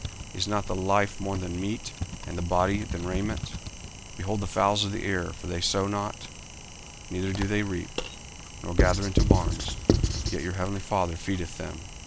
Is not the life more than meat, and the body than raiment? 40:006:026 Behold the fowls of the air: for they sow not, neither do they reap, nor gather into barns; yet your heavenly Father feedeth them.